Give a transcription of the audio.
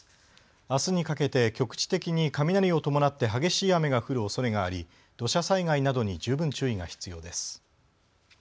あすにかけて局地的に雷を伴って激しい雨が降るおそれがあり土砂災害などに十分注意が必要です。